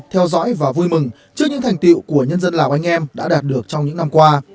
theo dõi và vui mừng trước những thành tiệu của nhân dân lào anh em đã đạt được trong những năm qua